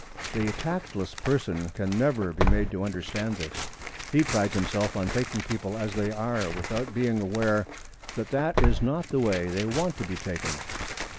The tactless person can never be made to understand this. He prides himself on taking people as they are without being aware that that is not the way they want to be taken.